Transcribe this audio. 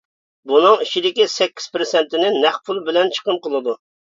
بۇنىڭ ئىچىدىكى سەككىز پىرسەنتىنى نەق پۇل بىلەن چىقىم قىلىدۇ.